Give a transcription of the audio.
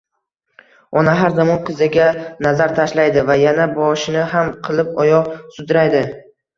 Ona har zamon qiziga nazar tashlaydi va yana boshini ham qilib oyoq sudraydi